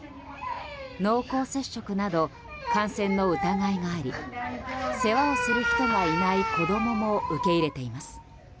濃厚接触など感染の疑いがあり世話をする人がいない子供も受け入れています。